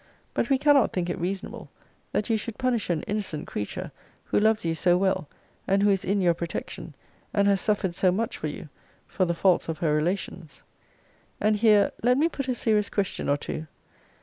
But we cannot think it reasonable that you should punish an innocent creature, who loves you so well, and who is in your protection, and has suffered so much for you, for the faults of her relations. And here let me put a serious question or two.